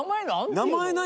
名前何？